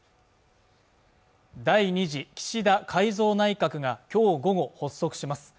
第２次岸田改造内閣がきょう午後発足します